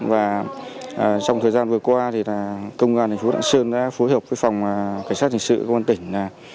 và trong thời gian vừa qua thì công an thành phố lạng sơn đã phối hợp với phòng cảnh sát hình sự công an tỉnh